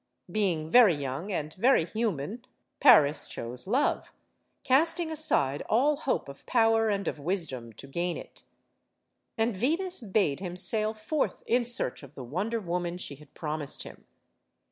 Being very young and very human, Paris chose Love; casting aside all hope of power and of wisdom to gain it. And Venus bade him sail forth in search of the Wonder Woman she had promised him.